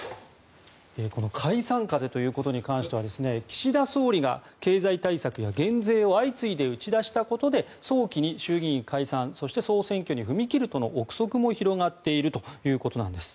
解散風ということに関しては岸田総理が経済対策や減税を相次いで打ち出したことで早期に衆議院解散そして総選挙に踏み切るとの憶測も広がっているということなんです。